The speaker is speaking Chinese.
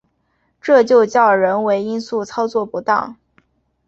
这就叫人为因素操作不当